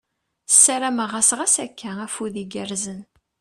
Ssarameɣ-as ɣas akka, afud igerrzen !